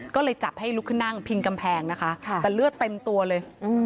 ก็เลยจับให้ลุกขึ้นนั่งพิงกำแพงนะคะแต่เลือดเต็มตัวเลย